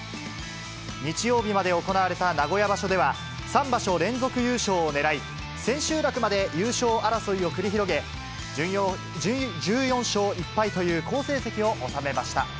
日曜日まで行われた名古屋場所では、３場所連続優勝をねらい、千秋楽まで優勝争いを繰り広げ、１４勝１敗という好成績を収めました。